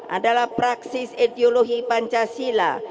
adalah praksis ideologi pancasila